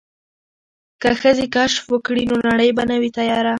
که ښځې کشف وکړي نو نړۍ به نه وي تیاره.